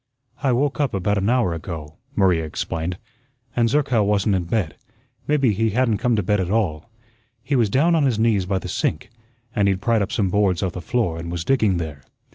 "I woke up about an hour ago," Maria explained, "and Zerkow wasn't in bed; maybe he hadn't come to bed at all. He was down on his knees by the sink, and he'd pried up some boards off the floor and was digging there.